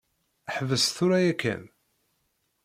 Ḥbes tura yakan.